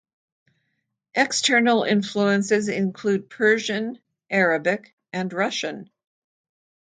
External influences include Persian, Arabic and Russian.